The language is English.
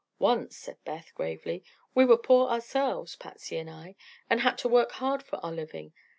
"Once," said Beth, gravely, "we were poor ourselves, Patsy and I, and had to work hard for our living.